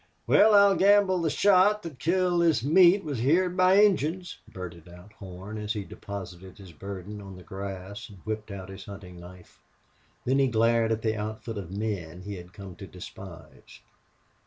"Wal, I'll gamble the shot thet killed this meat was heerd by Injuns," blurted out Horn, as he deposited his burden on the grass and whipped out his hunting knife. Then he glared at the outfit of men he had come to despise.